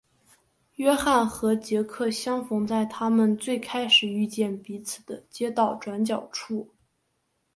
约翰和杰克相逢在他们最开始遇见彼此的街道转角处。